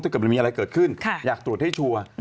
เกิดมันมีอะไรเกิดขึ้นอยากตรวจให้ชัวร์